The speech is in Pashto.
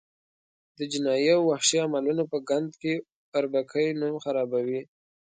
د جنایي او وحشي عملونو په ګند کې اربکي نوم خرابوي.